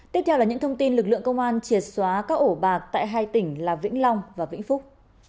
tiếp theo là những thông tin lực lượng công an triệt xóa các ổ bạc tại hai tỉnh là vĩnh long và vĩnh phúc